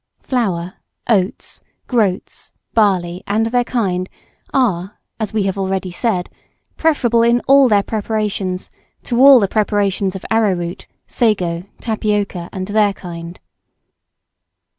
Flour, oats, groats, barley, and their kind, are, as we have already said, preferable in all their preparations to all the preparations of arrowroot, sago, tapioca, and their kind.